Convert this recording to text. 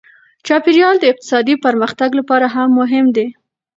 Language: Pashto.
چاپیریال د اقتصادي پرمختګ لپاره هم مهم دی.